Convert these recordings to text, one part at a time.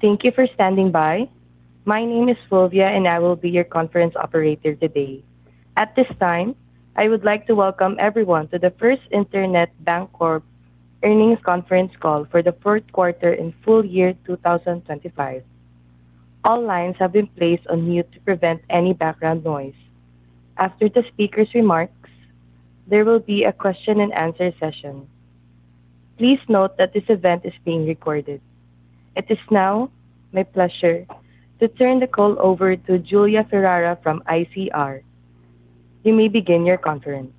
Thank you for standing by. My name is Fulvia, and I will be your conference operator today. At this time, I would like to welcome everyone to the First Internet Bancorp Earnings Conference Call for the fourth quarter and full year 2025. All lines have been placed on mute to prevent any background noise. After the speaker's remarks, there will be a question-and-answer session. Please note that this event is being recorded. It is now my pleasure to turn the call over to Julia Ferrara from ICR. You may begin your conference.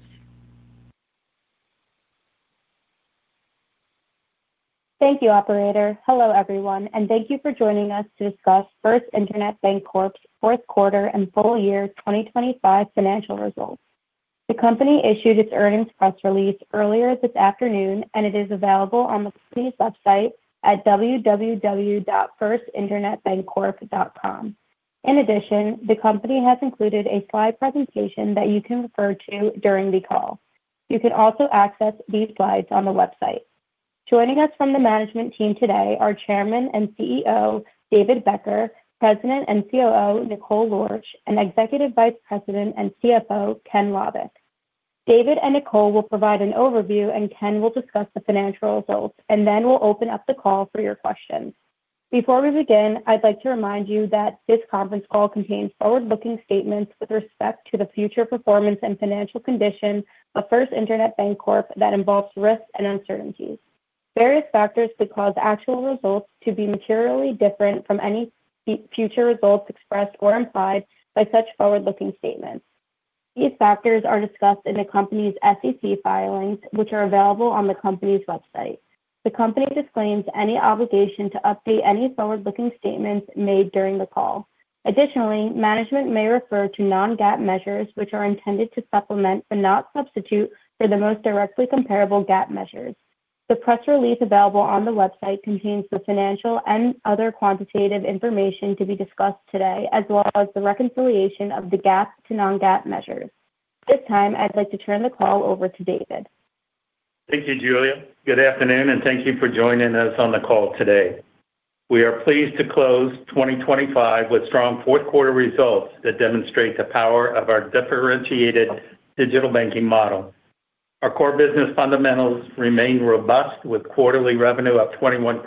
Thank you, operator. Hello, everyone, and thank you for joining us to discuss First Internet Bancorp's fourth quarter and full year 2025 financial results. The company issued its earnings press release earlier this afternoon, and it is available on the company's website at www.firstinternetbancorp.com. In addition, the company has included a slide presentation that you can refer to during the call. You can also access these slides on the website. Joining us from the management team today are Chairman and CEO David Becker, President and COO Nicole Lorch, and Executive Vice President and CFO Ken Lovik. David and Nicole will provide an overview, and Ken will discuss the financial results, and then we'll open up the call for your questions. Before we begin, I'd like to remind you that this conference call contains forward-looking statements with respect to the future performance and financial condition of First Internet Bancorp that involves risks and uncertainties. Various factors could cause actual results to be materially different from any future results expressed or implied by such forward-looking statements. These factors are discussed in the company's SEC filings, which are available on the company's website. The company disclaims any obligation to update any forward-looking statements made during the call. Additionally, management may refer to non-GAAP measures, which are intended to supplement but not substitute for the most directly comparable GAAP measures. The press release available on the website contains the financial and other quantitative information to be discussed today, as well as the reconciliation of the GAAP to non-GAAP measures. This time, I'd like to turn the call over to David. Thank you, Julia. Good afternoon, and thank you for joining us on the call today. We are pleased to close 2025 with strong fourth quarter results that demonstrate the power of our differentiated digital banking model. Our core business fundamentals remain robust, with quarterly revenue up 21%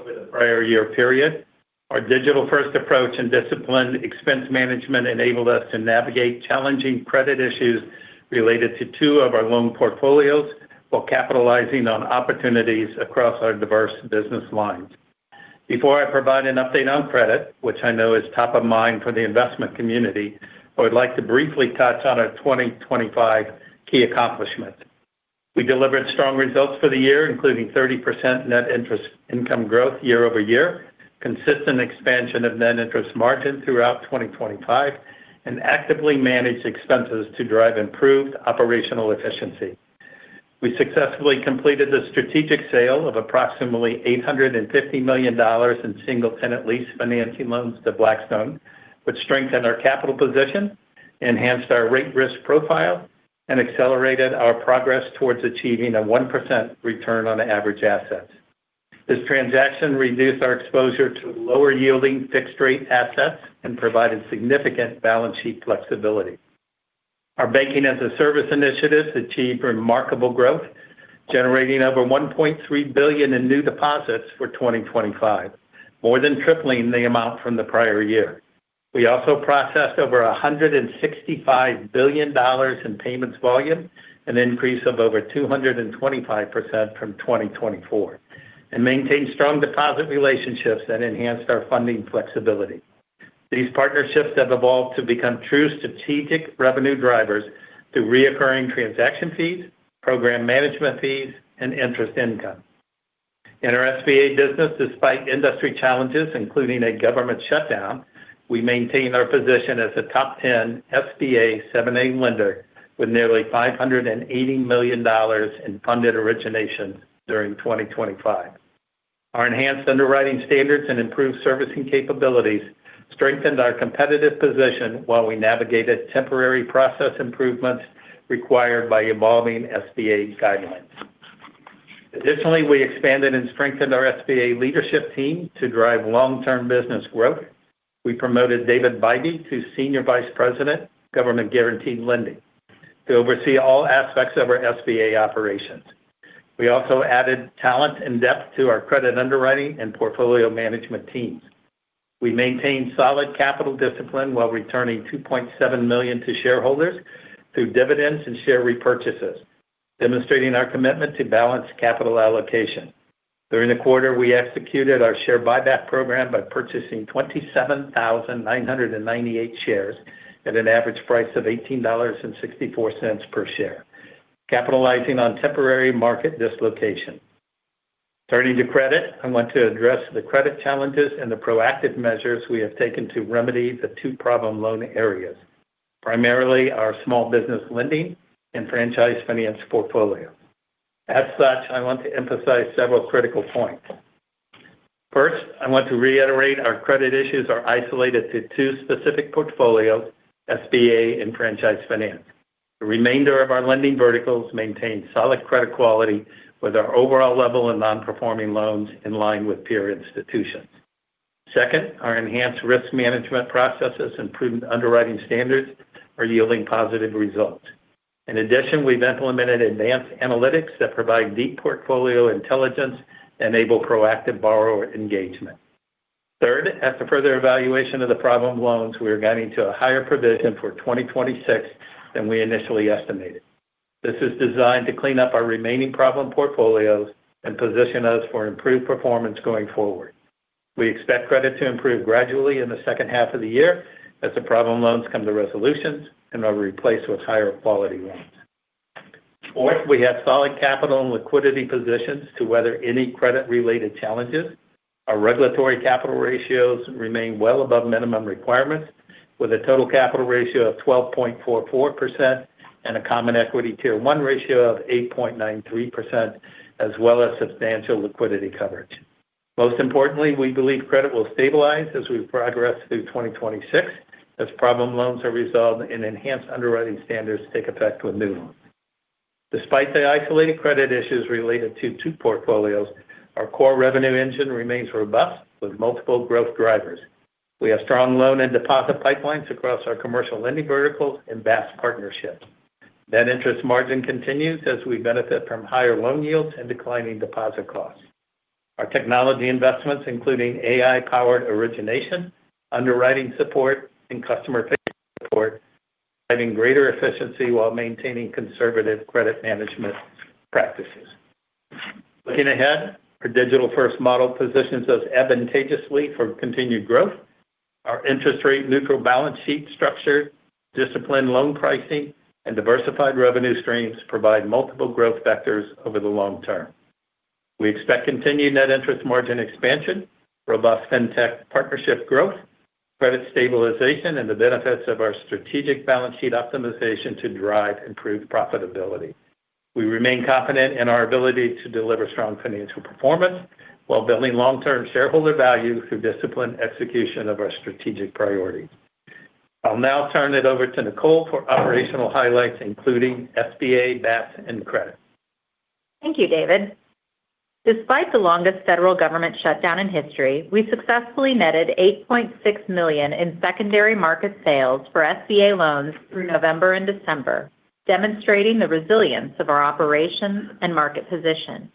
over the prior year period. Our digital-first approach and disciplined expense management enabled us to navigate challenging credit issues related to two of our loan portfolios while capitalizing on opportunities across our diverse business lines. Before I provide an update on credit, which I know is top of mind for the investment community, I would like to briefly touch on our 2025 key accomplishments. We delivered strong results for the year, including 30% net interest income growth year-over-year, consistent expansion of net interest margin throughout 2025, and actively managed expenses to drive improved operational efficiency. We successfully completed the strategic sale of approximately $850 million in single-tenant lease financing loans to Blackstone, which strengthened our capital position, enhanced our rate risk profile, and accelerated our progress towards achieving a 1% return on average assets. This transaction reduced our exposure to lower-yielding fixed-rate assets and provided significant balance sheet flexibility. Our banking-as-a-service initiatives achieved remarkable growth, generating over $1.3 billion in new deposits for 2025, more than tripling the amount from the prior year. We also processed over $165 billion in payments volume, an increase of over 225% from 2024, and maintained strong deposit relationships that enhanced our funding flexibility. These partnerships have evolved to become true strategic revenue drivers through recurring transaction fees, program management fees, and interest income. In our SBA business, despite industry challenges, including a government shutdown, we maintained our position as a top 10 SBA 7(a) lender with nearly $580 million in funded originations during 2025. Our enhanced underwriting standards and improved servicing capabilities strengthened our competitive position while we navigated temporary process improvements required by evolving SBA guidelines. Additionally, we expanded and strengthened our SBA leadership team to drive long-term business growth. We promoted David Bybee to Senior Vice President, Government Guaranteed Lending, to oversee all aspects of our SBA operations. We also added talent and depth to our credit underwriting and portfolio management teams. We maintained solid capital discipline while returning $2.7 million to shareholders through dividends and share repurchases, demonstrating our commitment to balanced capital allocation. During the quarter, we executed our share buyback program by purchasing 27,998 shares at an average price of $18.64 per share, capitalizing on temporary market dislocation. Turning to credit, I want to address the credit challenges and the proactive measures we have taken to remedy the two problem loan areas, primarily our small business lending and franchise finance portfolio. As such, I want to emphasize several critical points. First, I want to reiterate our credit issues are isolated to two specific portfolios, SBA and franchise finance. The remainder of our lending verticals maintain solid credit quality, with our overall level of non-performing loans in line with peer institutions. Second, our enhanced risk management processes and prudent underwriting standards are yielding positive results. In addition, we've implemented advanced analytics that provide deep portfolio intelligence and enable proactive borrower engagement. Third, as to further evaluation of the problem loans, we are guiding to a higher provision for 2026 than we initially estimated. This is designed to clean up our remaining problem portfolios and position us for improved performance going forward. We expect credit to improve gradually in the second half of the year as the problem loans come to resolutions and are replaced with higher quality loans. Fourth, we have solid capital and liquidity positions to weather any credit-related challenges. Our regulatory capital ratios remain well above minimum requirements, with a total capital ratio of 12.44% and a Common Equity Tier 1 ratio of 8.93%, as well as substantial liquidity coverage. Most importantly, we believe credit will stabilize as we progress through 2026, as problem loans are resolved and enhanced underwriting standards take effect with new loans. Despite the isolated credit issues related to two portfolios, our core revenue engine remains robust, with multiple growth drivers. We have strong loan and deposit pipelines across our commercial lending verticals and BaaS partnerships. Net interest margin continues as we benefit from higher loan yields and declining deposit costs. Our technology investments, including AI-powered origination, underwriting support, and customer support, driving greater efficiency while maintaining conservative credit management practices. Looking ahead, our digital-first model positions us advantageously for continued growth. Our interest rate neutral balance sheet structure, disciplined loan pricing, and diversified revenue streams provide multiple growth vectors over the long term. We expect continued net interest margin expansion, robust fintech partnership growth, credit stabilization, and the benefits of our strategic balance sheet optimization to drive improved profitability. We remain confident in our ability to deliver strong financial performance while building long-term shareholder value through disciplined execution of our strategic priorities. I'll now turn it over to Nicole for operational highlights, including SBA, BaaS, and credit. Thank you, David. Despite the longest federal government shutdown in history, we successfully netted $8.6 million in secondary market sales for SBA loans through November and December, demonstrating the resilience of our operations and market position.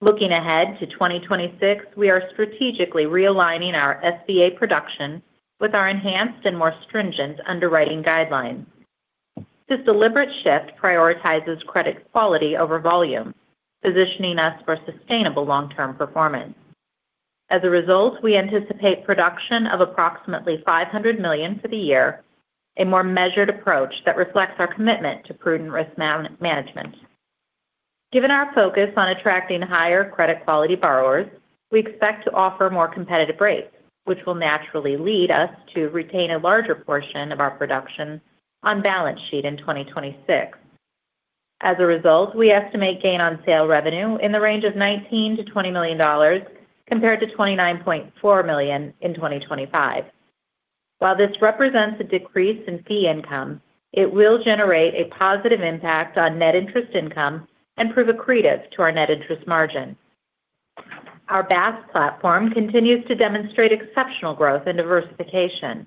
Looking ahead to 2026, we are strategically realigning our SBA production with our enhanced and more stringent underwriting guidelines. This deliberate shift prioritizes credit quality over volume, positioning us for sustainable long-term performance. As a result, we anticipate production of approximately $500 million for the year, a more measured approach that reflects our commitment to prudent risk management. Given our focus on attracting higher credit quality borrowers, we expect to offer more competitive rates, which will naturally lead us to retain a larger portion of our production on balance sheet in 2026. As a result, we estimate gain on sale revenue in the range of $19 million-$20 million, compared to $29.4 million in 2025. While this represents a decrease in fee income, it will generate a positive impact on net interest income and prove accretive to our net interest margin. Our BaaS platform continues to demonstrate exceptional growth and diversification.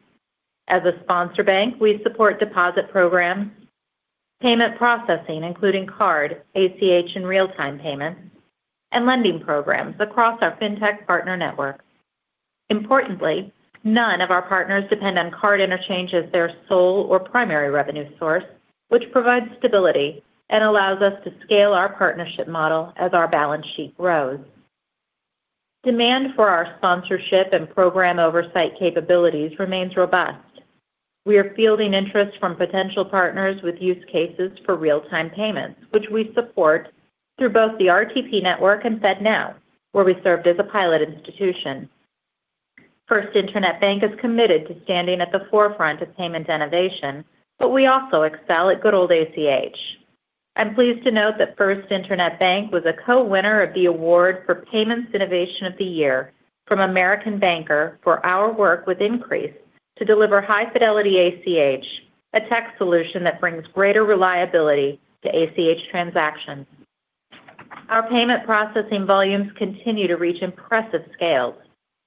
As a sponsor bank, we support deposit programs, payment processing, including card, ACH, and real-time payments, and lending programs across our fintech partner network. Importantly, none of our partners depend on card interchange as their sole or primary revenue source, which provides stability and allows us to scale our partnership model as our balance sheet grows. Demand for our sponsorship and program oversight capabilities remains robust. We are fielding interest from potential partners with use cases for real-time payments, which we support through both the RTP Network and FedNow, where we served as a pilot institution. First Internet Bank is committed to standing at the forefront of payment innovation, but we also excel at good old ACH. I'm pleased to note that First Internet Bank was a co-winner of the award for Payments Innovation of the Year from American Banker for our work with Increase to deliver High-Fidelity ACH, a tech solution that brings greater reliability to ACH transactions. Our payment processing volumes continue to reach impressive scales.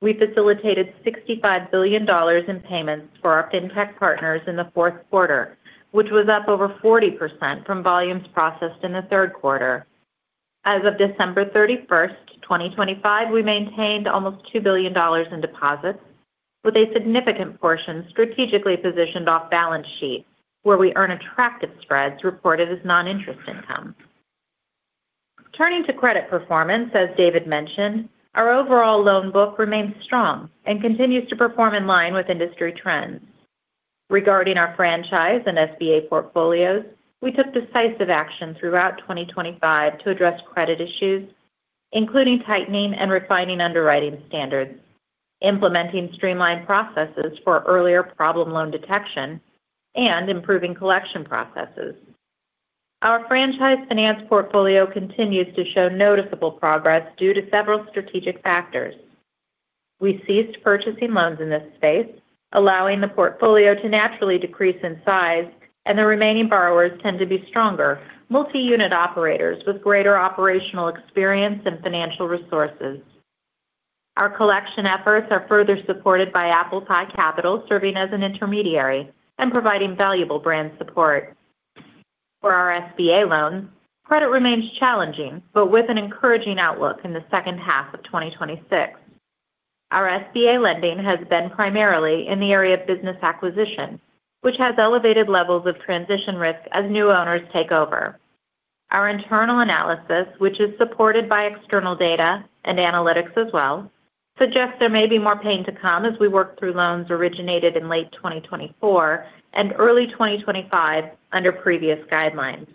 We facilitated $65 billion in payments for our fintech partners in the fourth quarter, which was up over 40% from volumes processed in the third quarter. As of December 31, 2025, we maintained almost $2 billion in deposits, with a significant portion strategically positioned off balance sheet, where we earn attractive spreads reported as non-interest income. Turning to credit performance, as David mentioned, our overall loan book remains strong and continues to perform in line with industry trends. Regarding our franchise and SBA portfolios, we took decisive action throughout 2025 to address credit issues, including tightening and refining underwriting standards, implementing streamlined processes for earlier problem loan detection, and improving collection processes. Our franchise finance portfolio continues to show noticeable progress due to several strategic factors. We ceased purchasing loans in this space, allowing the portfolio to naturally decrease in size, and the remaining borrowers tend to be stronger, multi-unit operators with greater operational experience and financial resources. Our collection efforts are further supported by ApplePie Capital, serving as an intermediary and providing valuable brand support. For our SBA loans, credit remains challenging, but with an encouraging outlook in the second half of 2026. Our SBA lending has been primarily in the area of business acquisition, which has elevated levels of transition risk as new owners take over. Our internal analysis, which is supported by external data and analytics as well, suggests there may be more pain to come as we work through loans originated in late 2024 and early 2025 under previous guidelines.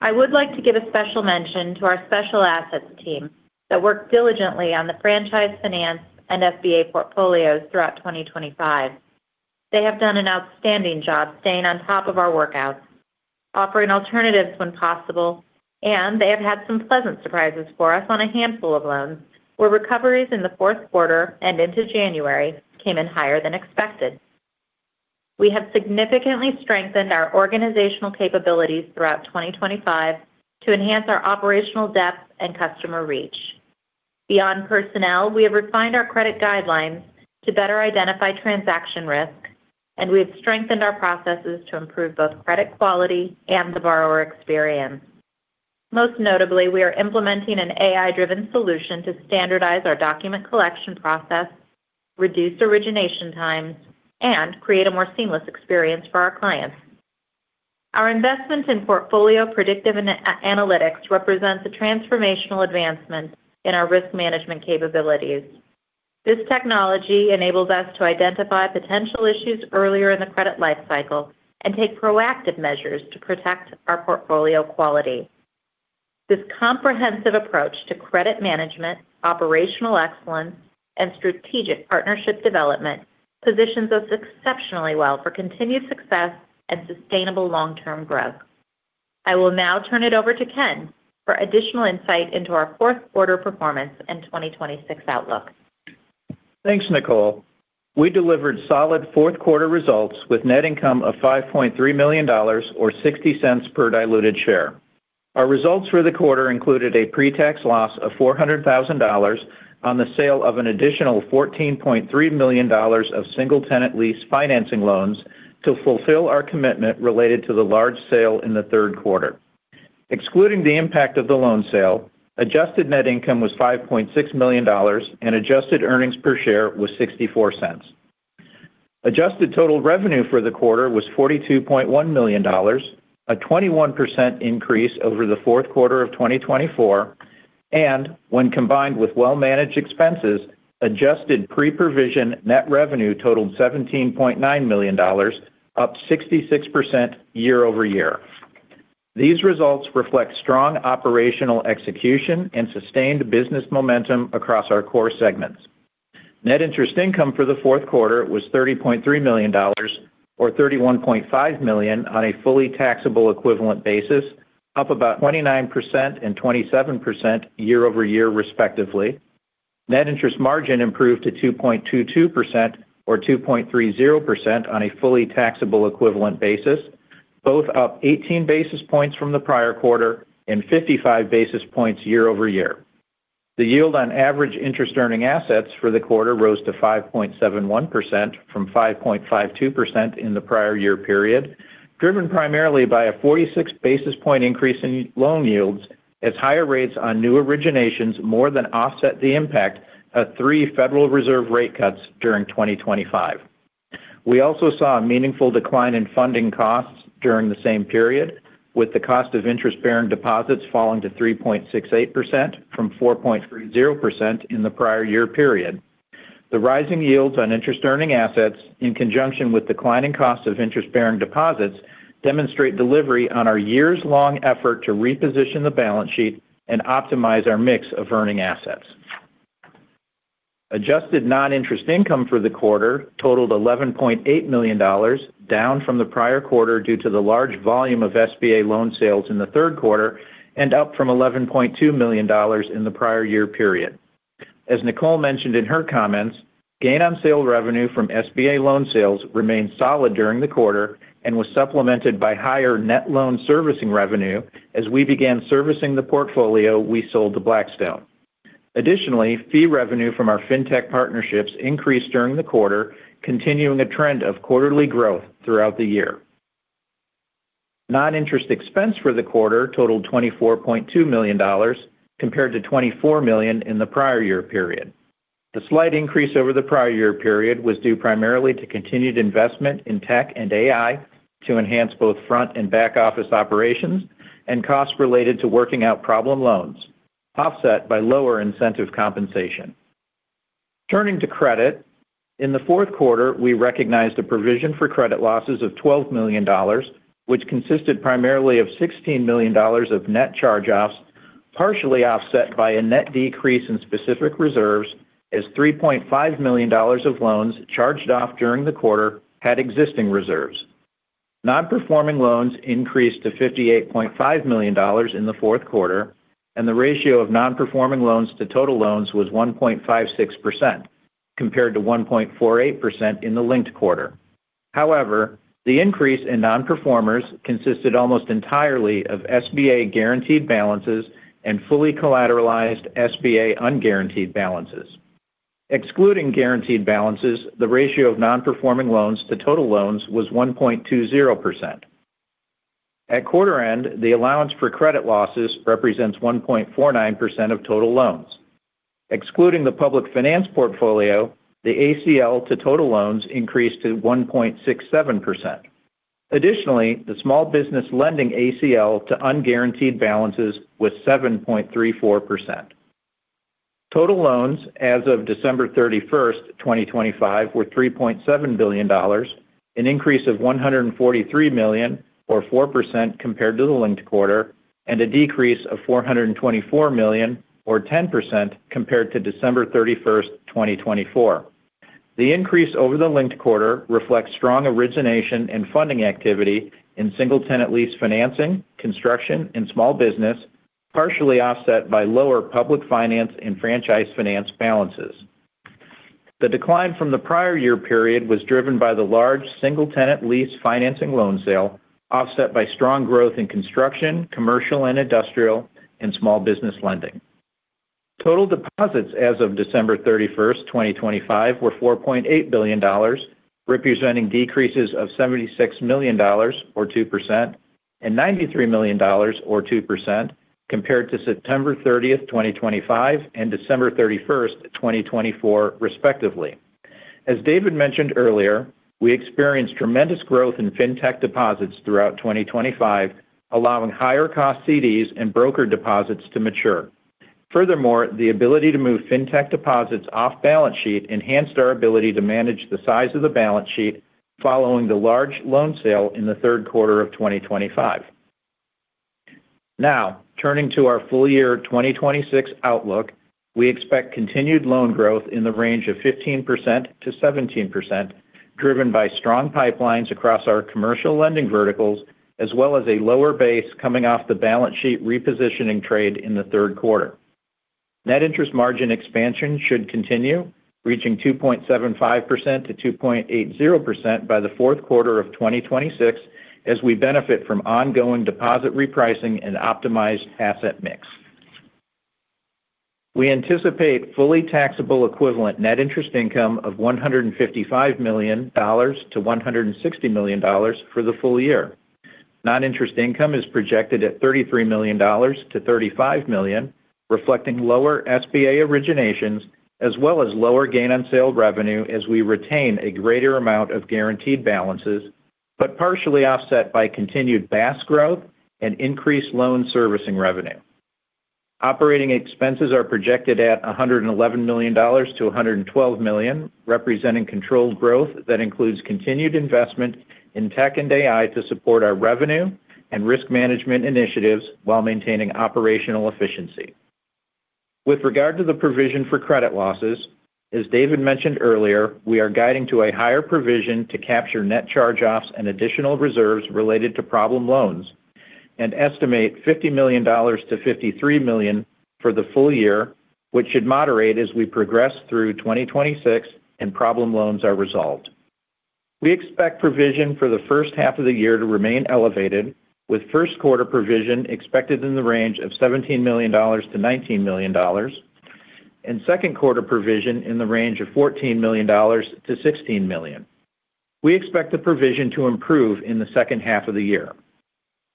I would like to give a special mention to our special assets team that worked diligently on the franchise finance and SBA portfolios throughout 2025. They have done an outstanding job staying on top of our workouts, offering alternatives when possible, and they have had some pleasant surprises for us on a handful of loans, where recoveries in the fourth quarter and into January came in higher than expected. We have significantly strengthened our organizational capabilities throughout 2025 to enhance our operational depth and customer reach. Beyond personnel, we have refined our credit guidelines to better identify transaction risk, and we have strengthened our processes to improve both credit quality and the borrower experience. Most notably, we are implementing an AI-driven solution to standardize our document collection process, reduce origination times, and create a more seamless experience for our clients. Our investment in portfolio predictive analytics represents a transformational advancement in our risk management capabilities. This technology enables us to identify potential issues earlier in the credit life cycle and take proactive measures to protect our portfolio quality. This comprehensive approach to credit management, operational excellence, and strategic partnership development positions us exceptionally well for continued success and sustainable long-term growth. I will now turn it over to Ken for additional insight into our fourth quarter performance and 2026 outlook. Thanks, Nicole. We delivered solid fourth quarter results with net income of $5.3 million or $0.60 per diluted share. Our results for the quarter included a pre-tax loss of $400,000 on the sale of an additional $14.3 million of single-tenant lease financing loans to fulfill our commitment related to the large sale in the third quarter. Excluding the impact of the loan sale, adjusted net income was $5.6 million, and adjusted earnings per share was $0.64. Adjusted total revenue for the quarter was $42.1 million, a 21% increase over the fourth quarter of 2024, and when combined with well-managed expenses, adjusted pre-provision net revenue totaled $17.9 million, up 66% year-over-year. These results reflect strong operational execution and sustained business momentum across our core segments. Net interest income for the fourth quarter was $30.3 million, or $31.5 million on a fully taxable equivalent basis, up about 29% and 27% year-over-year, respectively. Net interest margin improved to 2.22% or 2.30% on a fully taxable equivalent basis, both up 18 basis points from the prior quarter and 55 basis points year-over-year. The yield on average interest earning assets for the quarter rose to 5.71% from 5.52% in the prior year period, driven primarily by a 46 basis point increase in loan yields, as higher rates on new originations more than offset the impact of three Federal Reserve rate cuts during 2025. We also saw a meaningful decline in funding costs during the same period, with the cost of interest-bearing deposits falling to 3.68% from 4.30% in the prior year period. The rising yields on interest earning assets, in conjunction with declining costs of interest-bearing deposits, demonstrate delivery on our years-long effort to reposition the balance sheet and optimize our mix of earning assets. Adjusted non-interest income for the quarter totaled $11.8 million, down from the prior quarter due to the large volume of SBA loan sales in the third quarter and up from $11.2 million in the prior year period. As Nicole mentioned in her comments, gain on sale revenue from SBA loan sales remained solid during the quarter and was supplemented by higher net loan servicing revenue as we began servicing the portfolio we sold to Blackstone. Additionally, fee revenue from our fintech partnerships increased during the quarter, continuing a trend of quarterly growth throughout the year. Non-interest expense for the quarter totaled $24.2 million, compared to $24 million in the prior year period. The slight increase over the prior year period was due primarily to continued investment in tech and AI to enhance both front and back-office operations and costs related to working out problem loans, offset by lower incentive compensation. Turning to credit. In the fourth quarter, we recognized a provision for credit losses of $12 million, which consisted primarily of $16 million of net charge-offs partially offset by a net decrease in specific reserves, as $3.5 million of loans charged off during the quarter had existing reserves. Non-performing loans increased to $58.5 million in the fourth quarter, and the ratio of non-performing loans to total loans was 1.56%, compared to 1.48% in the linked quarter. However, the increase in non-performers consisted almost entirely of SBA guaranteed balances and fully collateralized SBA unguaranteed balances. Excluding guaranteed balances, the ratio of non-performing loans to total loans was 1.20%. At quarter end, the allowance for credit losses represents 1.49% of total loans. Excluding the public finance portfolio, the ACL to total loans increased to 1.67%. Additionally, the small business lending ACL to unguaranteed balances was 7.34%. Total loans as of December 31, 2025, were $3.7 billion, an increase of $143 million or 4% compared to the linked quarter, and a decrease of $424 million or 10% compared to December 31, 2024. The increase over the linked quarter reflects strong origination and funding activity in single-tenant lease financing, construction, and small business, partially offset by lower public finance and franchise finance balances. The decline from the prior year period was driven by the large single-tenant lease financing loan sale, offset by strong growth in construction, commercial and industrial, and small business lending. Total deposits as of December 31, 2025, were $4.8 billion, representing decreases of $76 million, or 2%, and $93 million, or 2%, compared to September 30, 2025, and December 31, 2024, respectively. As David mentioned earlier, we experienced tremendous growth in fintech deposits throughout 2025, allowing higher cost CDs and broker deposits to mature. Furthermore, the ability to move fintech deposits off balance sheet enhanced our ability to manage the size of the balance sheet following the large loan sale in the third quarter of 2025. Now, turning to our full year 2026 outlook, we expect continued loan growth in the range of 15%-17%, driven by strong pipelines across our commercial lending verticals, as well as a lower base coming off the balance sheet repositioning trade in the third quarter. Net interest margin expansion should continue, reaching 2.75%-2.80% by the fourth quarter of 2026, as we benefit from ongoing deposit repricing and optimized asset mix. We anticipate fully taxable equivalent net interest income of $155 million-$160 million for the full year. Non-interest income is projected at $33 million-$35 million, reflecting lower SBA originations as well as lower gain on sale revenue, as we retain a greater amount of guaranteed balances, but partially offset by continued BaaS growth and increased loan servicing revenue. Operating expenses are projected at $111 million-$112 million, representing controlled growth that includes continued investment in tech and AI to support our revenue and risk management initiatives while maintaining operational efficiency. With regard to the provision for credit losses, as David mentioned earlier, we are guiding to a higher provision to capture net charge-offs and additional reserves related to problem loans, and estimate $50 million-$53 million for the full year, which should moderate as we progress through 2026 and problem loans are resolved. We expect provision for the first half of the year to remain elevated, with first quarter provision expected in the range of $17 million-$19 million, and second quarter provision in the range of $14 million-$16 million. We expect the provision to improve in the second half of the year.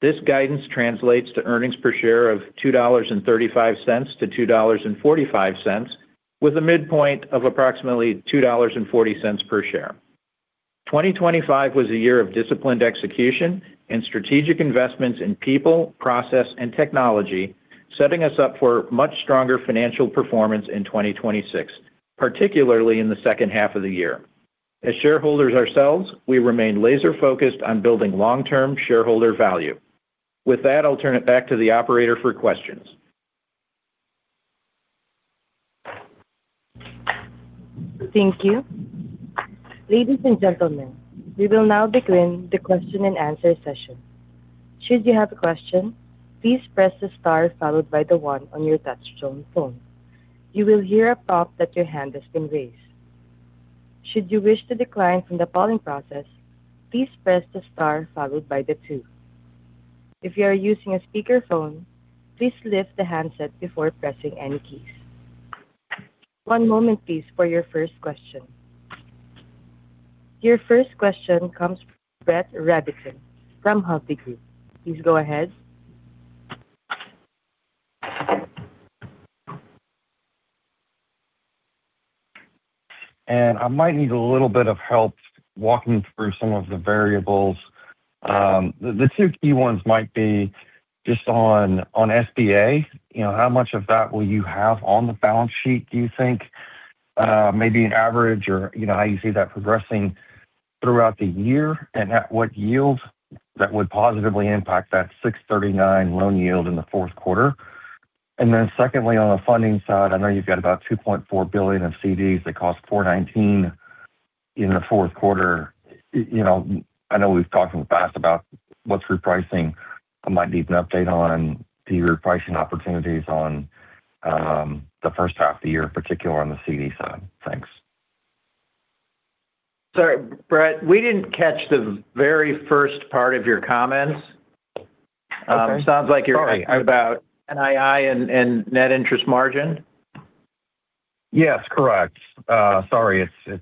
This guidance translates to earnings per share of $2.35-$2.45, with a midpoint of approximately $2.40 per share. 2025 was a year of disciplined execution and strategic investments in people, process, and technology, setting us up for much stronger financial performance in 2026, particularly in the second half of the year. As shareholders ourselves, we remain laser focused on building long-term shareholder value. With that, I'll turn it back to the operator for questions. Thank you. Ladies and gentlemen, we will now begin the question and answer session. Should you have a question, please press the star followed by the one on your touchtone phone. You will hear a pop that your hand has been raised. Should you wish to decline from the polling process, please press the star followed by the two. If you are using a speakerphone, please lift the handset before pressing any keys. One moment, please, for your first question. Your first question comes from Brett Rabatin from Hovde Group. Please go ahead. I might need a little bit of help walking through some of the variables. The two key ones might be just on SBA. You know, how much of that will you have on the balance sheet, do you think? Maybe an average or, you know, how you see that progressing throughout the year, and at what yield that would positively impact that 6.39% loan yield in the fourth quarter? And then secondly, on the funding side, I know you've got about $2.4 billion of CDs that cost 4.19% in the fourth quarter. You know, I know we've talked in the past about what's repricing. I might need an update on the repricing opportunities on the first half of the year, particularly on the CD side. Thanks. Sorry, Brett, we didn't catch the very first part of your comments. Okay. Sounds like you're Sorry about NII and net interest margin. Yes, correct. Sorry, it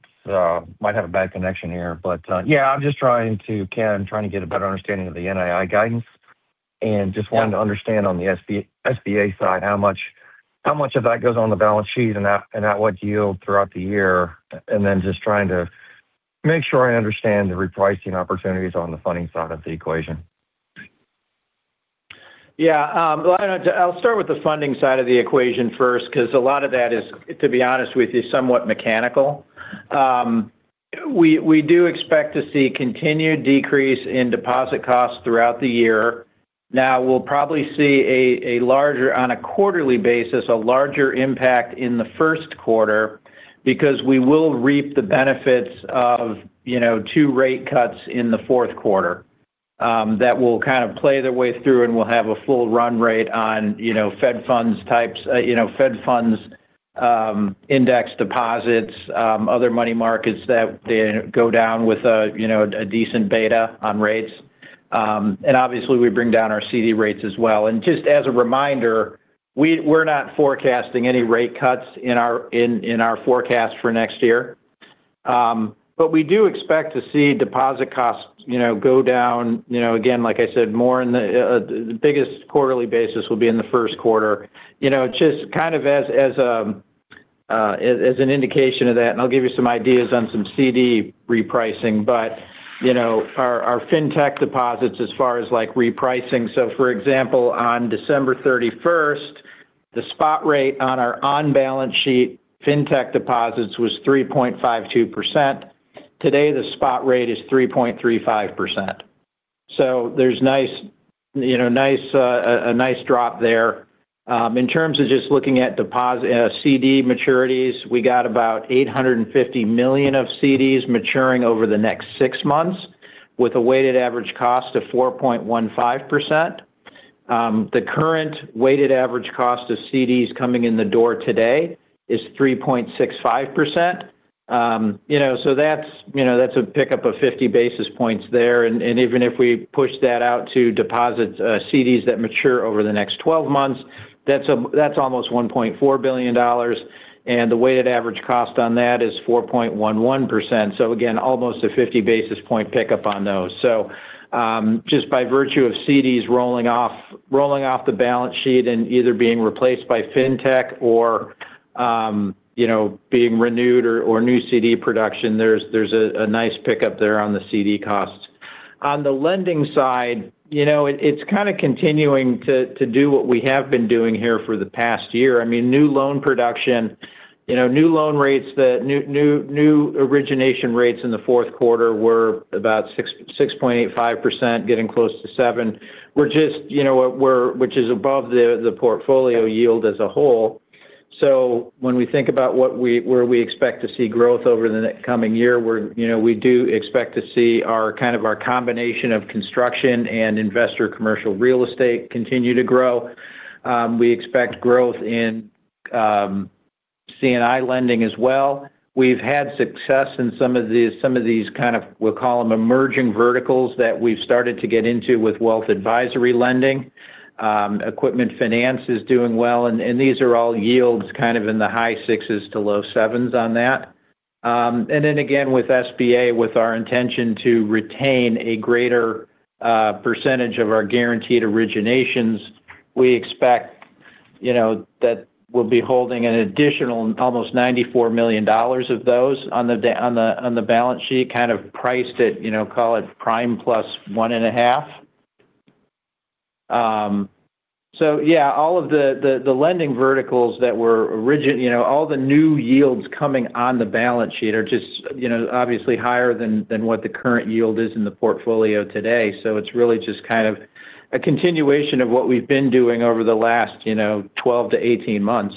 might have a bad connection here. But, yeah, I'm just trying to, Ken, I'm trying to get a better understanding of the NII guidance, and just wanted to understand on the SBA side, how much, how much of that goes on the balance sheet and at, and at what yield throughout the year, and then just trying to make sure I understand the repricing opportunities on the funding side of the equation. Yeah, well, I'll start with the funding side of the equation first, 'cause a lot of that is, to be honest with you, somewhat mechanical. We do expect to see continued decrease in deposit costs throughout the year. Now, we'll probably see a larger, on a quarterly basis, larger impact in the first quarter because we will reap the benefits of, you know, two rate cuts in the fourth quarter, that will kind of play their way through, and we'll have a full run rate on, you know, Fed funds types, you know, Fed funds, index deposits, other money markets that they go down with a, you know, a decent beta on rates. And obviously, we bring down our CD rates as well. Just as a reminder, we're not forecasting any rate cuts in our forecast for next year. But we do expect to see deposit costs, you know, go down, you know, again, like I said, more in the biggest quarterly basis will be in the first quarter. You know, just kind of as an indication of that, and I'll give you some ideas on some CD repricing. But, you know, our fintech deposits as far as, like, repricing. So for example, on December thirty-first, the spot rate on our on-balance sheet fintech deposits was 3.52%. Today, the spot rate is 3.35%. So there's nice, you know, nice, a nice drop there. In terms of just looking at deposit, CD maturities, we got about $850 million of CDs maturing over the next six months, with a weighted average cost of 4.15%. The current weighted average cost of CDs coming in the door today is 3.65%. You know, so that's, you know, that's a pickup of 50 basis points there. Even if we push that out to deposit, CDs that mature over the next twelve months, that's almost $1.4 billion, and the weighted average cost on that is 4.11%. So again, almost a 50 basis point pickup on those. So, just by virtue of CDs rolling off, rolling off the balance sheet and either being replaced by fintech or, you know, being renewed or, or new CD production, there's a nice pickup there on the CD costs. On the lending side, you know, it's kind of continuing to do what we have been doing here for the past year. I mean, new loan production, you know, new loan rates, the new origination rates in the fourth quarter were about 6.85%, getting close to 7, which is, you know, which is above the portfolio yield as a whole. So when we think about what we expect to see growth over the next coming year, we're, you know, we do expect to see our kind of our combination of construction and investor commercial real estate continue to grow. We expect growth in C&I lending as well. We've had success in some of these, some of these kind of, we'll call them, emerging verticals that we've started to get into with wealth advisory lending. Equipment finance is doing well, and these are all yields kind of in the high sixes to low sevens on that. And then again, with SBA, with our intention to retain a greater percentage of our guaranteed originations, we expect, you know, that we'll be holding an additional almost $94 million of those on the balance sheet, kind of priced at, you know, call it prime plus 1.5. So yeah, all of the lending verticals that were originating. You know, all the new yields coming on the balance sheet are just, you know, obviously higher than what the current yield is in the portfolio today. So it's really just kind of a continuation of what we've been doing over the last, you know, 12-18 months.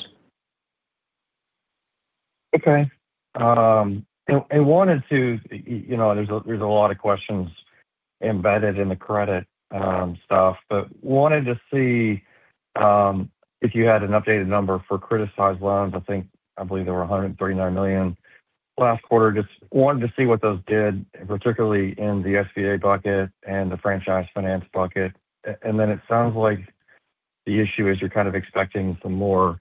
Okay. And wanted to you know, there's a lot of questions embedded in the credit stuff, but wanted to see if you had an updated number for criticized loans. I think, I believe there were $139 million last quarter. Just wanted to see what those did, particularly in the SBA bucket and the franchise finance bucket. And then it sounds like the issue is you're kind of expecting some more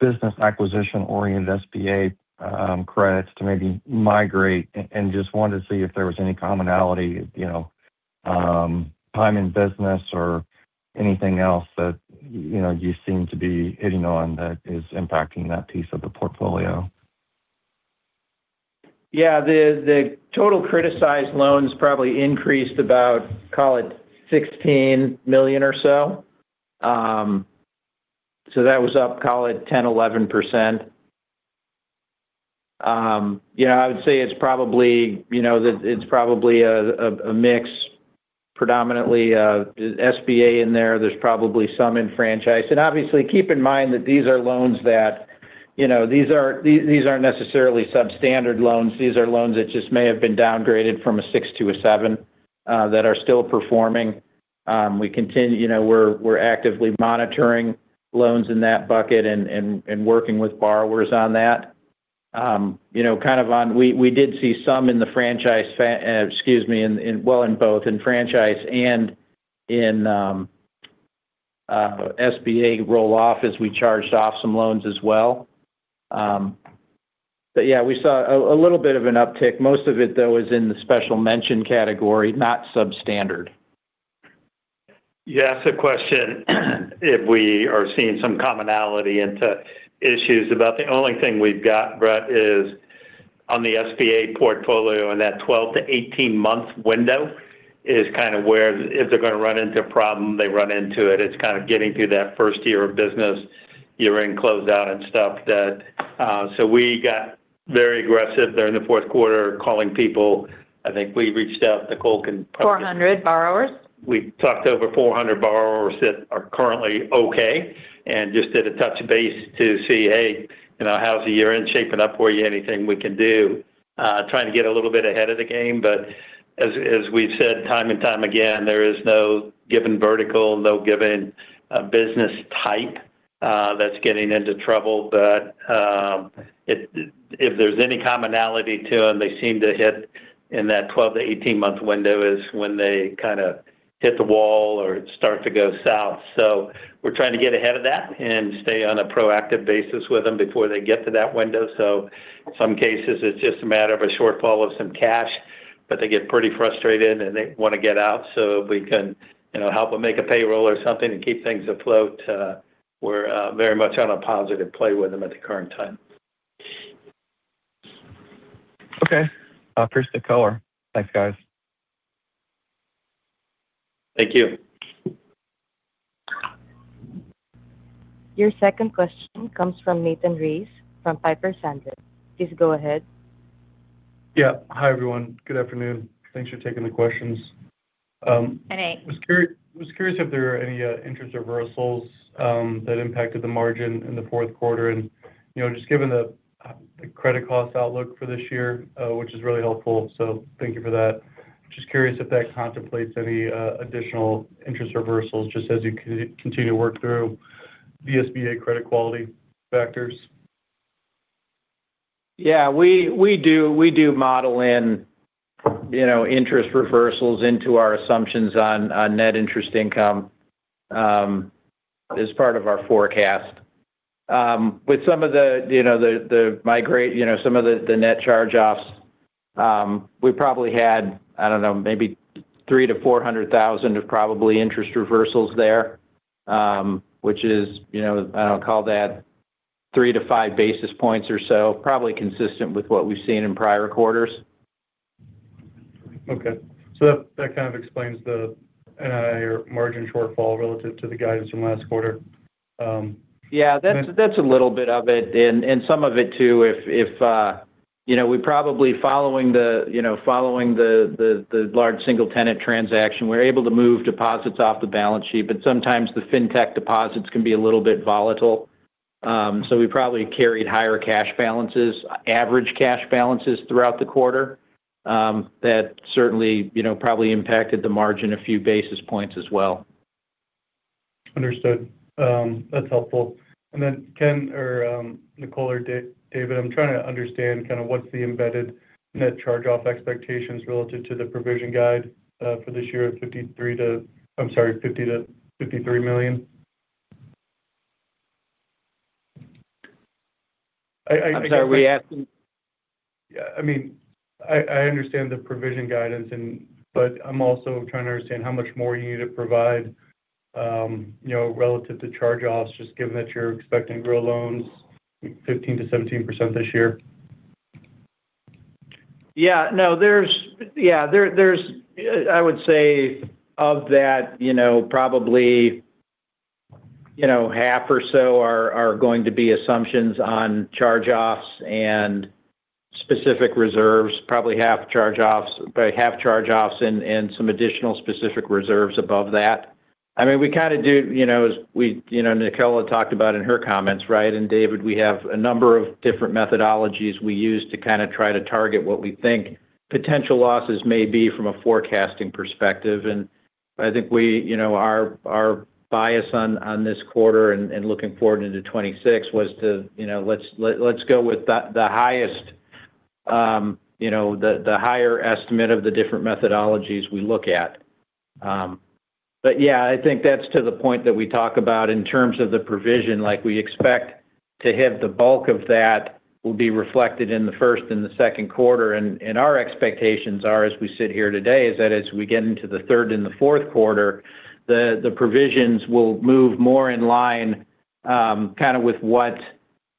business acquisition-oriented SBA credits to maybe migrate and just wanted to see if there was any commonality, you know, time in business or anything else that, you know, you seem to be hitting on that is impacting that piece of the portfolio? Yeah, the total criticized loans probably increased about, call it $16 million or so. So that was up, call it 10%-11%. Yeah, I would say it's probably, you know, that it's probably a mix, predominantly, SBA in there. There's probably some in franchise. And obviously, keep in mind that these are loans that, you know, these are, these aren't necessarily substandard loans. These are loans that just may have been downgraded from a 6 to a 7, that are still performing. We continue you know, we're actively monitoring loans in that bucket and working with borrowers on that. You know, kind of on we did see some in the franchise excuse me, in both, in franchise and in SBA roll-off as we charged off some loans as well. But yeah, we saw a little bit of an uptick. Most of it, though, is in the special mention category, not substandard. You asked a question, if we are seeing some commonality into issues. About the only thing we've got, Brett, is on the SBA portfolio, in that 12-18-month window, is kind of where if they're gonna run into a problem, they run into it. It's kind of getting through that first year of business, year-end closeout and stuff that. So we got very aggressive there in the fourth quarter, calling people. I think we reached out, Nicole. 400 borrowers. We talked to over 400 borrowers that are currently okay, and just did a touch base to see, "Hey, you know, how's the year-end shaping up for you? Anything we can do?" Trying to get a little bit ahead of the game. But as we've said time and time again, there is no given vertical, no given business type that's getting into trouble. But if there's any commonality to them, they seem to hit in that 12-18-month window, is when they kind of hit the wall or start to go south. So we're trying to get ahead of that and stay on a proactive basis with them before they get to that window. So some cases, it's just a matter of a shortfall of some cash, but they get pretty frustrated, and they want to get out, so if we can, you know, help them make a payroll or something to keep things afloat, we're very much on a positive play with them at the current time. Okay. Appraise the color. Thanks, guys. Thank you. Your second question comes from Nathan Race from Piper Sandler. Please go ahead. Yeah. Hi, everyone. Good afternoon. Thanks for taking the questions. Hi, Nate. Was curious if there were any interest reversals that impacted the margin in the fourth quarter. And, you know, just given the credit cost outlook for this year, which is really helpful, so thank you for that. Just curious if that contemplates any additional interest reversals, just as you continue to work through the SBA credit quality factors. Yeah, we do model in, you know, interest reversals into our assumptions on net interest income as part of our forecast. With some of the, you know, the magnitude, you know, some of the net charge-offs, we probably had, I don't know, maybe $300,000-$400,000 of probably interest reversals there. Which is, you know, I'd call that three to five basis points or so, probably consistent with what we've seen in prior quarters. Okay. So that, that kind of explains the NII margin shortfall relative to the guidance from last quarter. Yeah, that's a little bit of it. And some of it, too, if you know, we're probably following the large single-tenant transaction, we're able to move deposits off the balance sheet, but sometimes the fintech deposits can be a little bit volatile. So we probably carried higher cash balances, average cash balances throughout the quarter. That certainly, you know, probably impacted the margin a few basis points as well. Understood. That's helpful. And then Ken or Nicole or David, I'm trying to understand kind of what's the embedded net charge-off expectations relative to the provision guide for this year of $53 million to, I'm sorry, $50 million-$53 million. I, I- I'm sorry, we asking? Yeah, I mean, I understand the provision guidance and, but I'm also trying to understand how much more you need to provide, you know, relative to charge-offs, just given that you're expecting to grow loans 15%-17% this year. Yeah. No, there's yeah, there, there's, I would say of that, you know, probably, you know, half or so are, are going to be assumptions on charge-offs and specific reserves, probably half charge-offs, but half charge-offs and, and some additional specific reserves above that. I mean, we kind of do, you know, as we you know, Nicole talked about in her comments, right? And, David, we have a number of different methodologies we use to kind of try to target what we think potential losses may be from a forecasting perspective. And I think we, you know, our, our bias on, on this quarter and, and looking forward into 2026 was to, you know, let's, let, let's go with the, the highest, you know, the, the higher estimate of the different methodologies we look at. But yeah, I think that's to the point that we talk about in terms of the provision. Like, we expect to hit the bulk of that will be reflected in the first and the second quarter. And our expectations are, as we sit here today, is that as we get into the third and the fourth quarter, the provisions will move more in line, kind of with what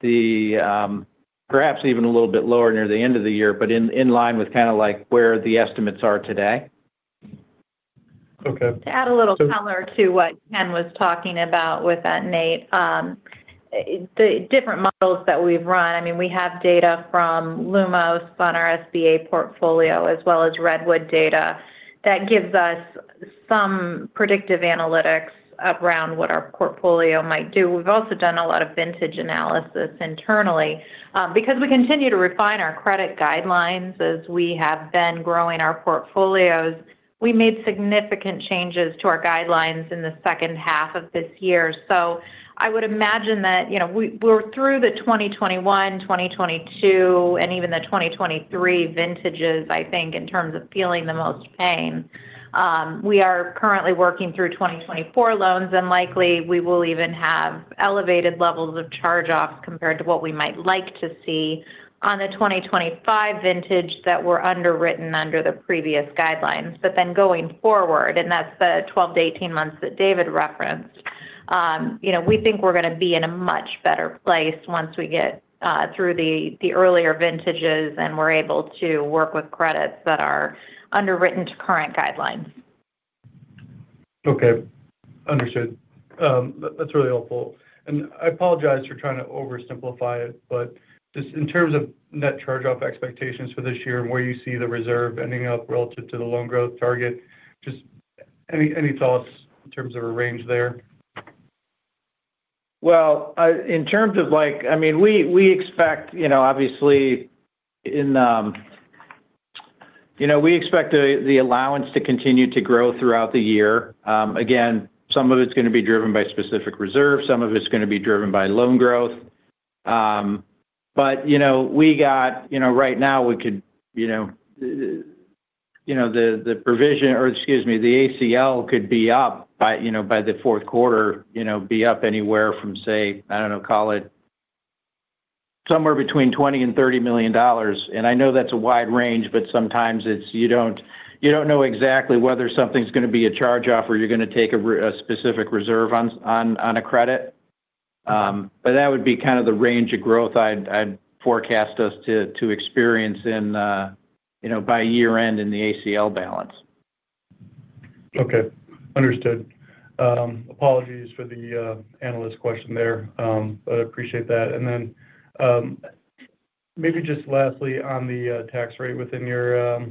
the, perhaps even a little bit lower near the end of the year, but in line with kind of like where the estimates are today? Okay. To add a little color to what Ken was talking about with that, Nate, the different models that we've run, I mean, we have data from Lumos on our SBA portfolio, as well as Redwood data. That gives us some predictive analytics around what our portfolio might do. We've also done a lot of vintage analysis internally, because we continue to refine our credit guidelines as we have been growing our portfolios. We made significant changes to our guidelines in the second half of this year, so I would imagine that, you know, we're through the 2021, 2022, and even the 2023 vintages, I think, in terms of feeling the most pain. We are currently working through 2024 loans, and likely we will even have elevated levels of charge-offs compared to what we might like to see on the 2025 vintage that were underwritten under the previous guidelines. But then going forward, and that's the 12-18 months that David referenced, you know, we think we're gonna be in a much better place once we get through the earlier vintages, and we're able to work with credits that are underwritten to current guidelines. Okay. Understood. That's really helpful. And I apologize for trying to oversimplify it, but just in terms of net charge-off expectations for this year and where you see the reserve ending up relative to the loan growth target, just any thoughts in terms of a range there? Well, in terms of, like I mean, we expect, you know, obviously, you know, we expect the allowance to continue to grow throughout the year. Again, some of it's gonna be driven by specific reserves, some of it's gonna be driven by loan growth. But, you know, right now, we could, you know, the provision or excuse me, the ACL could be up by, you know, by the fourth quarter, you know, be up anywhere from, say, I don't know, call it somewhere between $20 million and $30 million. And I know that's a wide range, but sometimes you don't know exactly whether something's gonna be a charge-off or you're gonna take a specific reserve on a credit. But that would be kind of the range of growth I'd forecast us to experience in, you know, by year end in the ACL balance. Okay. Understood. Apologies for the analyst question there. But I appreciate that. And then, maybe just lastly on the tax rate within your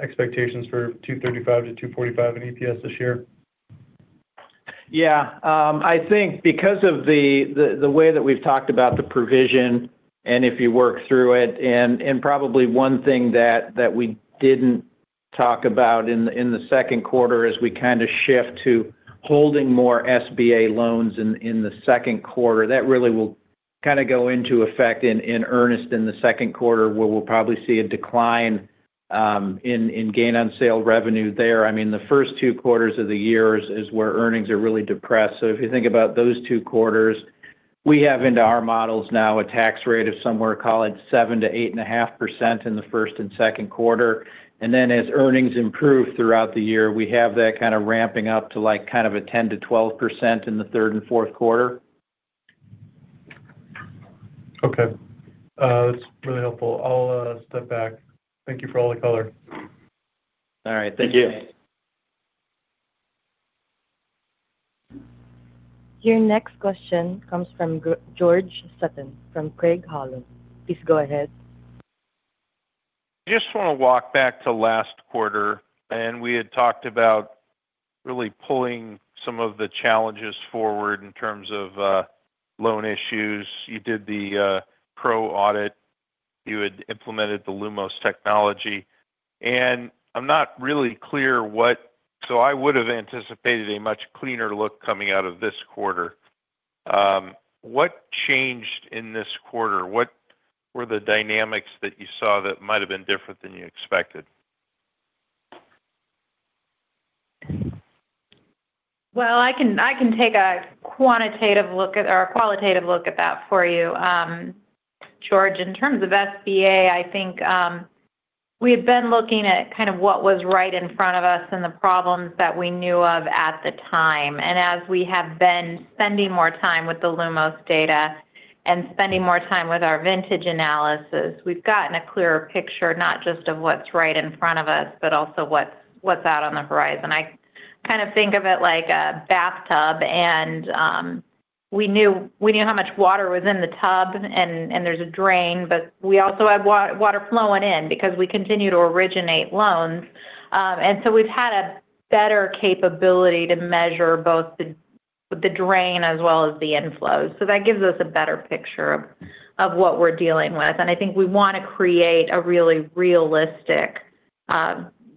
expectations for $2.35-$2.45 in EPS this year? Yeah, I think because of the way that we've talked about the provision, and if you work through it, and probably one thing that we didn't talk about in the second quarter is we kind of shift to holding more SBA loans in the second quarter. That really will kind of go into effect in earnest in the second quarter, where we'll probably see a decline in gain on sale revenue there. I mean, the first two quarters of the year is where earnings are really depressed. So if you think about those two quarters, we have into our models now a tax rate of somewhere, call it 7%-8.5% in the first and second quarter. And then, as earnings improve throughout the year, we have that kind of ramping up to, like, kind of a 10%-12% in the third and fourth quarter. Okay. That's really helpful. I'll step back. Thank you for all the color. All right. Thank you. Your next question comes from George Sutton from Craig-Hallum. Please go ahead. Just want to walk back to last quarter, and we had talked about really pulling some of the challenges forward in terms of, loan issues. You did the Crowe audit. You had implemented the Lumos technology, and I'm not really clear what. So I would have anticipated a much cleaner look coming out of this quarter. What changed in this quarter? What were the dynamics that you saw that might have been different than you expected? Well, I can, I can take a quantitative look at or a qualitative look at that for you, George. In terms of SBA, I think we've been looking at kind of what was right in front of us and the problems that we knew of at the time. And as we have been spending more time with the Lumos data and spending more time with our vintage analysis, we've gotten a clearer picture, not just of what's right in front of us, but also what's out on the horizon. I kind of think of it like a bathtub, and we knew, we knew how much water was in the tub, and there's a drain, but we also have water flowing in because we continue to originate loans. And so we've had a better capability to measure both the drain as well as the inflows. So that gives us a better picture of what we're dealing with. And I think we want to create a really realistic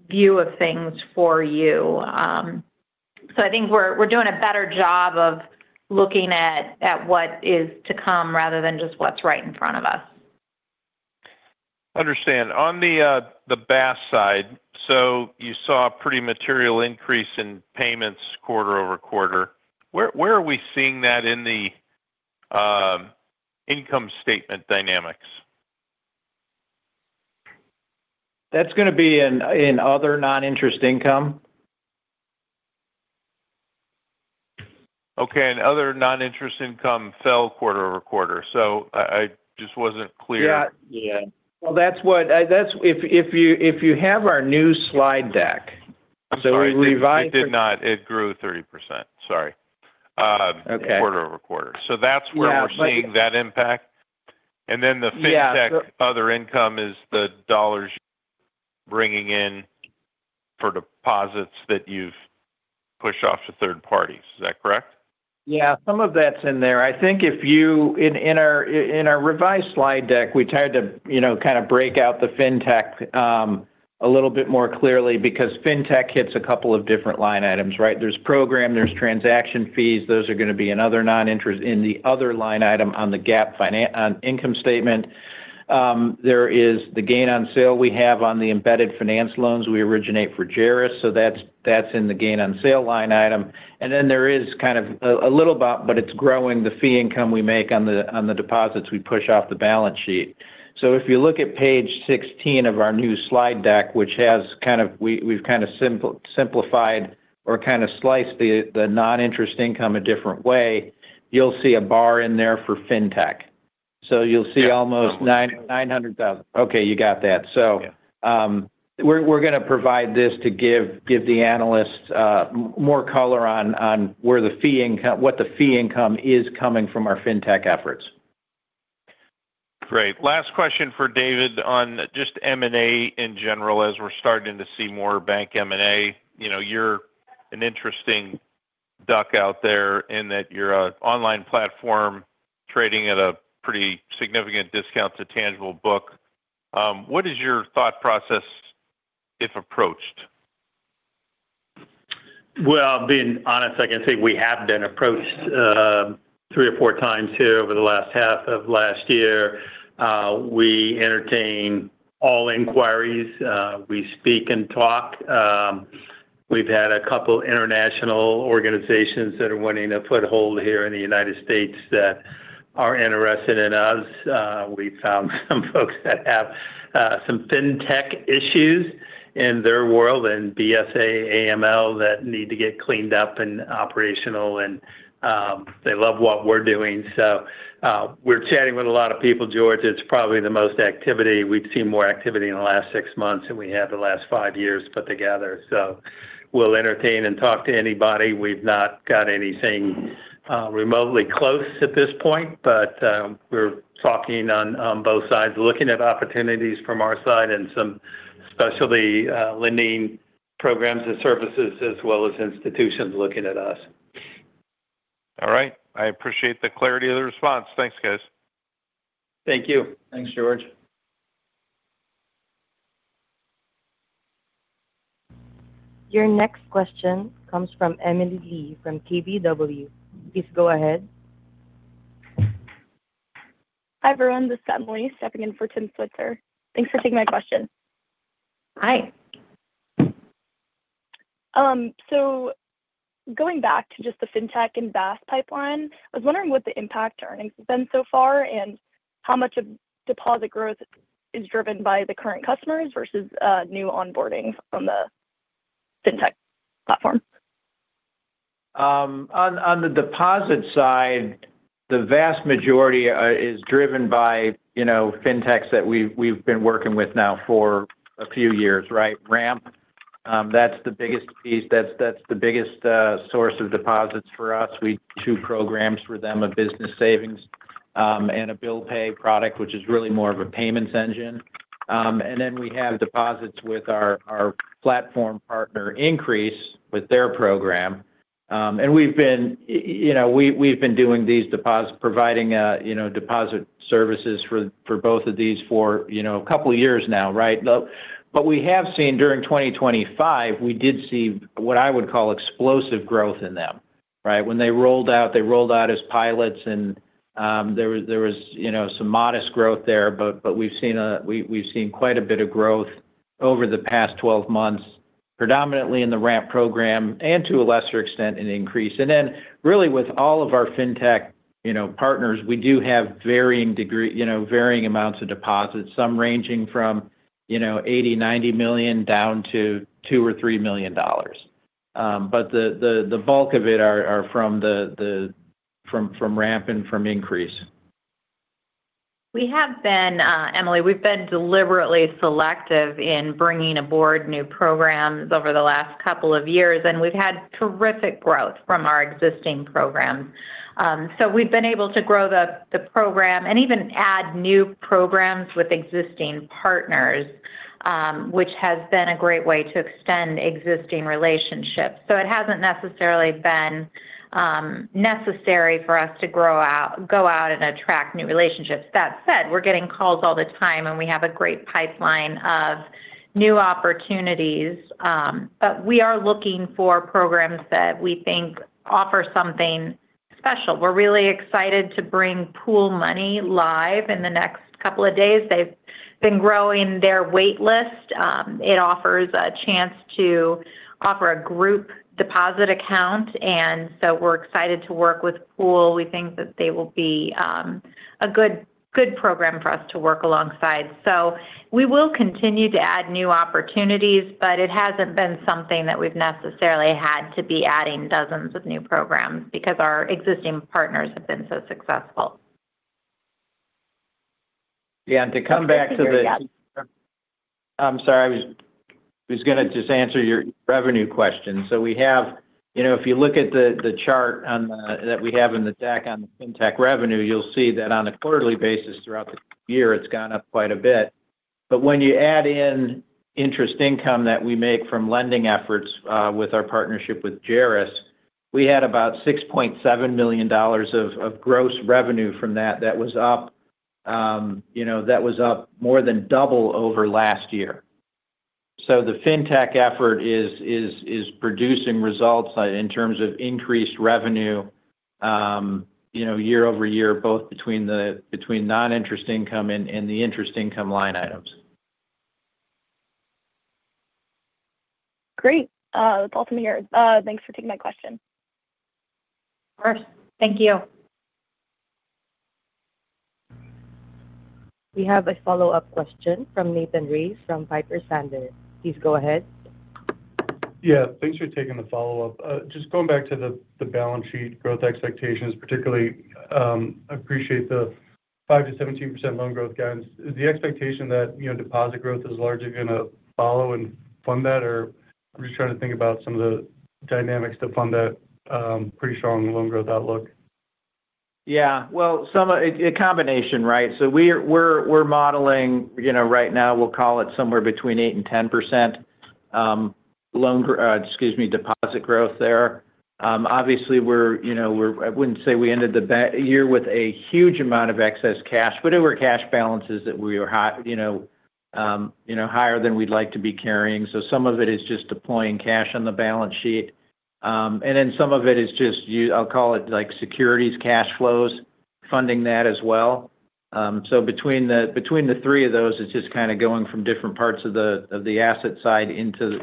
view of things for you. So I think we're doing a better job of looking at what is to come rather than just what's right in front of us. Understand. On the, the BaaS side, so you saw a pretty material increase in payments quarter-over-quarter. Where, where are we seeing that in the, income statement dynamics? That's gonna be in other non-interest income. Okay, other noninterest income fell quarter-over-quarter, so I just wasn't clear. Yeah. Yeah. Well, that's if you have our new slide deck, so we revised It did not. It grew 30%, sorry. Okay. Quarter-over-quarter. So that's where Yeah. We're seeing that impact? And then the Yeah. Fintech other income is the dollars bringing in for deposits that you've pushed off to third parties. Is that correct? Yeah, some of that's in there. I think if you in our revised slide deck, we tried to, you know, kind of break out the fintech a little bit more clearly because fintech hits a couple of different line items, right? There's program, there's transaction fees. Those are gonna be another noninterest income in the other line item on the GAAP financials on the income statement. There is the gain on sale we have on the embedded finance loans we originate for Jaris, so that's, that's in the gain on sale line item. And then there is kind of a little about, but it's growing the fee income we make on the deposits we push off the balance sheet. So if you look at page 16 of our new slide deck, which has kind of simplified or kind of sliced the non-interest income a different way, you'll see a bar in there for fintech. So you'll see almost $900,000. Okay, you got that. Yeah. We're gonna provide this to give the analysts more color on where the fee income, what the fee income is coming from our fintech efforts. Great. Last question for David on just M&A in general, as we're starting to see more bank M&A. You know, you're an interesting duck out there in that you're an online platform trading at a pretty significant discount to tangible book. What is your thought process if approached? Well, being honest, I can say we have been approached, 3 or 4 times here over the last half of last year. We entertain all inquiries, we speak and talk. We've had a couple international organizations that are wanting a foothold here in the United States that are interested in us. We've found some folks that have, some fintech issues in their world, and BSA/AML that need to get cleaned up and operational, and, they love what we're doing. So, we're chatting with a lot of people, George. It's probably the most activity. We've seen more activity in the last 6 months than we had in the last 5 years put together. So we'll entertain and talk to anybody. We've not got anything remotely close at this point, but we're talking on both sides, looking at opportunities from our side and some specialty lending programs and services, as well as institutions looking at us. All right. I appreciate the clarity of the response. Thanks, guys. Thank you. Thanks, George. Your next question comes from Emily Lee, from KBW. Please go ahead. Hi, everyone. This is Emily stepping in for Tim Switzer. Thanks for taking my question. Hi. So going back to just the fintech and BaaS pipeline, I was wondering what the impact earnings have been so far, and how much of deposit growth is driven by the current customers versus new onboarding from the fintech platform? On the deposit side, the vast majority is driven by, you know, fintech's that we've been working with now for a few years, right? Ramp, that's the biggest piece. That's the biggest source of deposits for us. We've two programs for them, a business savings and a bill pay product, which is really more of a payments engine. And then we have deposits with our platform partner, Increase, with their program. And we've been, you know, we've been doing these deposits, providing, you know, deposit services for both of these for, you know, a couple of years now, right? But we have seen during 2025, we did see what I would call explosive growth in them, right? When they rolled out, they rolled out as pilots, and there was you know some modest growth there, but we've seen quite a bit of growth over the past 12 months, predominantly in the Ramp program and to a lesser extent in Increase. And then really with all of our fintech you know partners, we do have varying degree you know varying amounts of deposits, some ranging from you know $80-$90 million down to $2-$3 million. But the bulk of it are from Ramp and from Increase. We have been, Emily, we've been deliberately selective in bringing aboard new programs over the last couple of years, and we've had terrific growth from our existing programs. So we've been able to grow the, the program and even add new programs with existing partners, which has been a great way to extend existing relationships. So it hasn't necessarily been necessary for us to go out and attract new relationships. That said, we're getting calls all the time, and we have a great pipeline of new opportunities. But we are looking for programs that we think offer something special. We're really excited to bring Pool Money live in the next couple of days. They've been growing their wait list. It offers a chance to offer a group deposit account, and so we're excited to work with Pool. We think that they will be a good, good program for us to work alongside. So we will continue to add new opportunities, but it hasn't been something that we've necessarily had to be adding dozens of new programs because our existing partners have been so successful. Yeah, and to come back to the, I'm sorry, I was gonna just answer your revenue question. So we have you know, if you look at the chart on that we have in the deck on the fintech revenue, you'll see that on a quarterly basis throughout the year, it's gone up quite a bit. But when you add in interest income that we make from lending efforts with our partnership with Jaris, we had about $6.7 million of gross revenue from that. That was up, you know, that was up more than double over last year. So the fintech effort is producing results in terms of increased revenue, you know, year-over-year, both between the between non-interest income and the interest income line items. Great. Welcome here. Thanks for taking my question. Of course. Thank you. We have a follow-up question from Nathan Race, from Piper Sandler. Please go ahead. Yeah, thanks for taking the follow-up. Just going back to the balance sheet growth expectations, particularly, appreciate the 5%-17% loan growth guidance. Is the expectation that, you know, deposit growth is largely gonna follow and fund that? Or I'm just trying to think about some of the dynamics to fund that pretty strong loan growth outlook. Yeah, well, some of it, a combination, right? So we're modeling, you know, right now, we'll call it somewhere between 8% and 10% deposit growth there. Obviously, we're, you know, I wouldn't say we ended the year with a huge amount of excess cash, but there were cash balances that we were high, you know, higher than we'd like to be carrying. So some of it is just deploying cash on the balance sheet. And then some of it is just I'll call it, like, securities cash flows, funding that as well. So between the three of those, it's just kinda going from different parts of the asset side into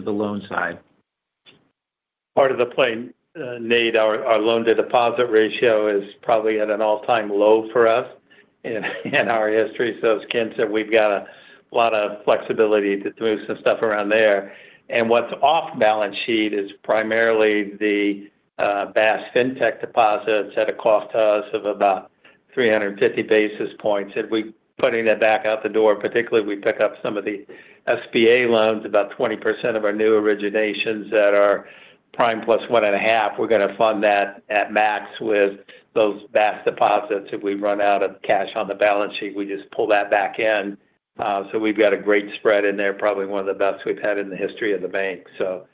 the loan side. Part of the play, Nate, our, our loan to deposit ratio is probably at an all-time low for us in, in our history. So as Ken said, we've got a lot of flexibility to move some stuff around there. And what's off balance sheet is primarily the, BaaS fintech deposits at a cost to us of about 350 basis points. If we're putting that back out the door, particularly, we pick up some of the SBA loans, about 20% of our new originations that are prime plus 1.5, we're gonna fund that at max with those BaaS deposits. If we run out of cash on the balance sheet, we just pull that back in. So we've got a great spread in there, probably one of the best we've had in the history of the bank. So,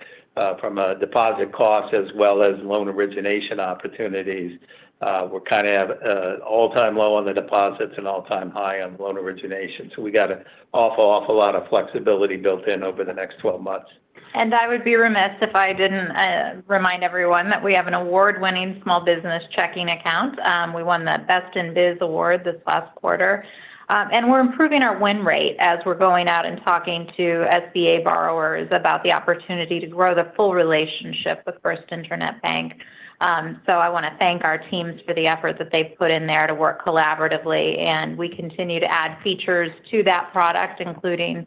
from a deposit cost as well as loan origination opportunities, we're kind of have all-time low on the deposits and all-time high on loan origination. So we got an awful, awful lot of flexibility built in over the next 12 months. I would be remiss if I didn't remind everyone that we have an award-winning small business checking account. We won the Best in Biz Award this last quarter. We're improving our win rate as we're going out and talking to SBA borrowers about the opportunity to grow the full relationship with First Internet Bank. I wanna thank our teams for the effort that they've put in there to work collaboratively, and we continue to add features to that product, including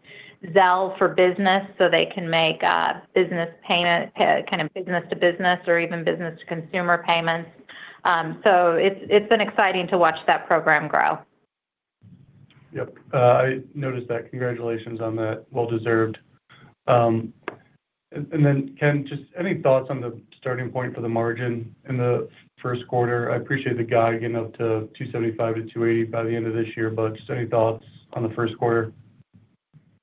Zelle for Business, so they can make business payment, kind of business to business or even business to consumer payments. It's been exciting to watch that program grow. Yep, I noticed that. Congratulations on that. Well-deserved. And then, Ken, just any thoughts on the starting point for the margin in the first quarter? I appreciate the guide getting up to 2.75%-2.80% by the end of this year, but just any thoughts on the first quarter?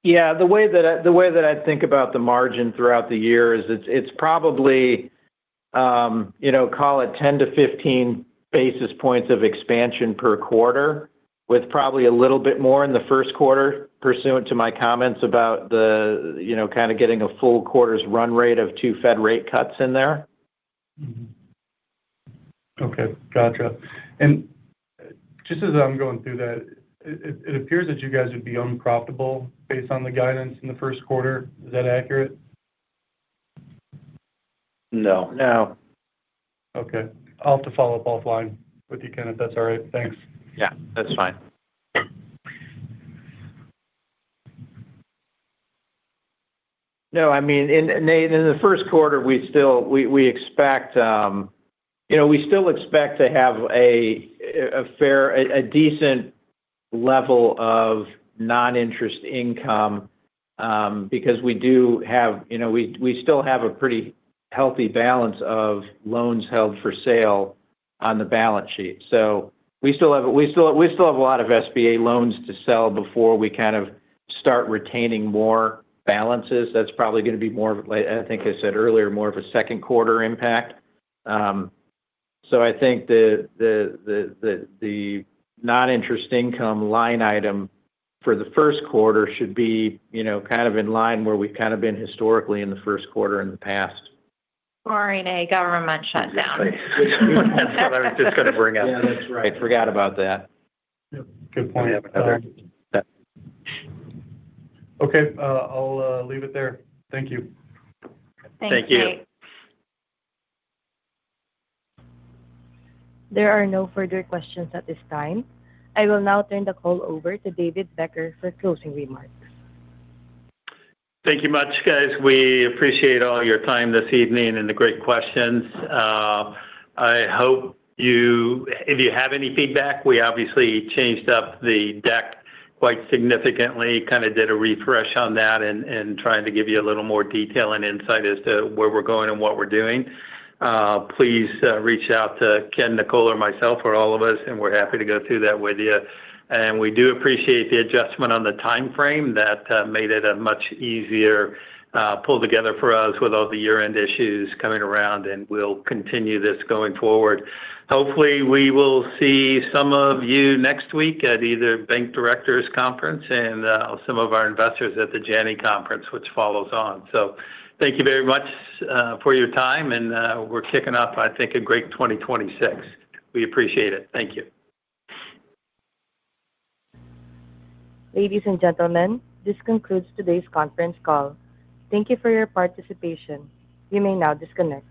Yeah, the way that I think about the margin throughout the year is it's probably, you know, call it 10-15 basis points of expansion per quarter, with probably a little bit more in the first quarter, pursuant to my comments about the, you know, kinda getting a full quarter's run rate of two Fed rate cuts in there. Mm-hmm. Okay, gotcha. And just as I'm going through that, it appears that you guys would be unprofitable based on the guidance in the first quarter. Is that accurate? No. No. Okay. I'll have to follow up offline with you, Ken, if that's all right. Thanks. Yeah, that's fine. No, I mean, in Nate, in the first quarter, we still expect, you know, we still expect to have a fair, a decent level of non-interest income, because we do have you know, we still have a pretty healthy balance of loans held for sale on the balance sheet. So we still have a lot of SBA loans to sell before we kind of start retaining more balances. That's probably gonna be more of a late. I think I said earlier, more of a second quarter impact. So I think the non-interest income line item for the first quarter should be, you know, kind of in line where we've kind of been historically in the first quarter in the past. During a government shutdown. That's what I was just gonna bring up. Yeah, that's right. I forgot about that. Yep. Good point. We have another Okay, I'll leave it there. Thank you. Thanks, Nate. Thank you. There are no further questions at this time. I will now turn the call over to David Becker for closing remarks. Thank you much, guys. We appreciate all your time this evening and the great questions. I hope if you have any feedback, we obviously changed up the deck quite significantly, kinda did a refresh on that and trying to give you a little more detail and insight as to where we're going and what we're doing. Please reach out to Ken, Nicole, or myself, or all of us, and we're happy to go through that with you. We do appreciate the adjustment on the timeframe that made it a much easier pull together for us with all the year-end issues coming around, and we'll continue this going forward. Hopefully, we will see some of you next week at either Bank Director's conference and some of our investors at the Janney conference, which follows on. So thank you very much for your time, and we're kicking off, I think, a great 2026. We appreciate it. Thank you. Ladies and gentlemen, this concludes today's conference call. Thank you for your participation. You may now disconnect.